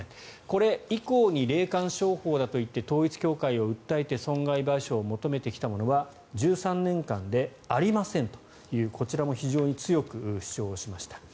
これ以降に霊感商法だといって統一教会を訴えて損害賠償を求めてきたものは１３年間でありませんというこちらも非常に強く主張しました。